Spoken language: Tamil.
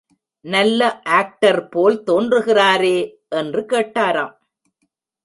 நல்ல ஆக்டர்போல் தோன்றுகிறாரே என்று கேட்டாராம்.